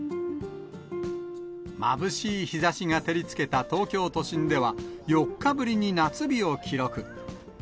まぶしい日ざしが照りつけた東京都心では、４日ぶりに夏日を記録。